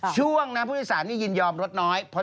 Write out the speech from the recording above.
ช่วงนะผู้โดยสารนี่ยินยอมลดน้อย